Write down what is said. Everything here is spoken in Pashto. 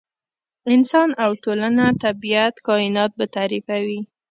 انسان او ټولنه، طبیعت، کاینات به تعریفوي.